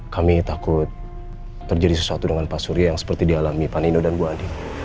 kami takut terjadi sesuatu dengan pak surya yang seperti dialami pak nino dan bu andi